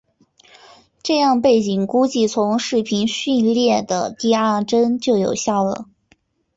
这样背景估计从视频序列的第二帧就有效了。